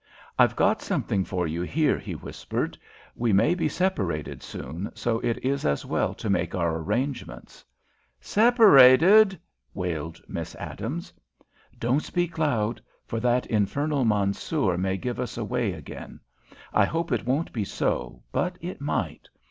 "I've got something for you here," he whispered. "We may be separated soon, so it is as well to make our arrangements." "Separated!" wailed Miss Adams. "Don't speak loud, for that infernal Mansoor may give us away again. I hope it won't be so, but it might.